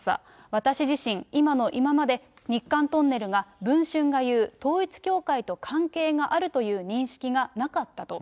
私自身、今の今まで日韓トンネルが、文春が言う統一教会と関係があるという認識がなかったと。